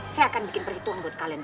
saya akan bikin perhitungan buat kalian